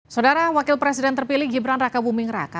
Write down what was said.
saudara wakil presiden terpilih gibran raka buming raka